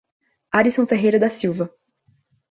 Arisson Ferreira da Silva